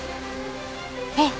あっ！